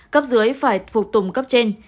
cấp dưới phải phục tùng cấp trên